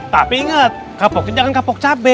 tapi ingat kapokin jangan kapok cabai